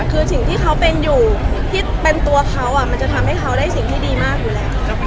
คือสิ่งที่เขาเป็นอยู่ที่เป็นตัวเขามันจะทำให้เขาได้สิ่งที่ดีมากอยู่แล้ว